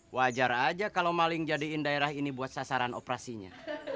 wajar aja kalau maling jadiin daerah ini buat sasaran operasinya